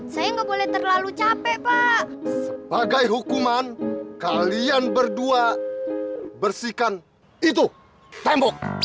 saya nggak boleh terlalu capek pak sebagai hukuman kalian berdua bersihkan itu tembok